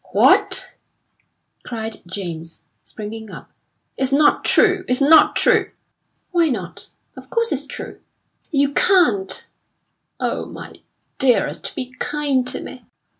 "What!" cried James, springing up. "It's not true; it's not true!" "Why not? Of course it's true!" "You can't oh, my dearest, be kind to me!"